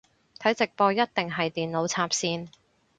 睇直播一定係電腦插線